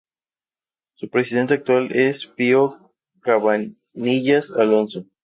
Su presidente actual es Pío Cabanillas Alonso.